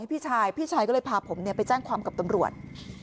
พี่ชายพี่ชายก็เลยพาผมไปแจ้งความกับตำรวจ